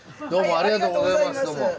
ありがとうございます。